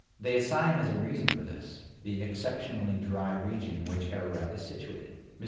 They assign, as a reason for this, the exceptionally dry region in which Ararat is situated. Mr.